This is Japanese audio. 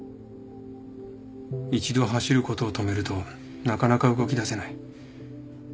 一度走ることを止めるとなかなか動きだせない。